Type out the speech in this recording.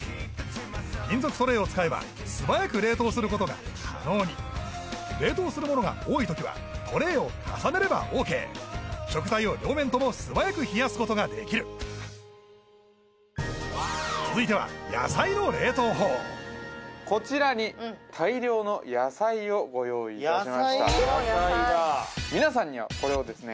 金属トレーを使えば素早く冷凍することが可能に冷凍するものが多いときはトレーを重ねればオーケー食材を両面とも素早く冷やすことができる続いてはこちらに大量の野菜をご用意いたしました皆さんにはこれをですね